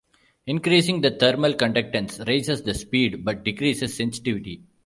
Increasing the thermal conductance raises the speed, but decreases sensitivity.